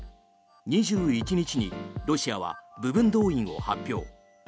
２１日にロシアは部分動員を発表。